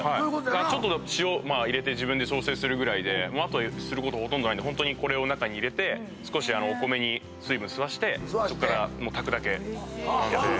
ちょっと塩入れて自分で調整するぐらいであとすることほとんどないのでホントにこれを中に入れて少しお米に水分吸わせてそっから炊くだけなんで。